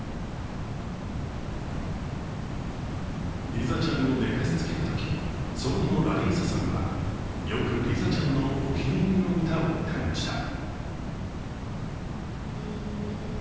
リザちゃんを寝かしつけるとき、祖母のラリーサさんはよくリザちゃんのお気に入りの歌を歌いました。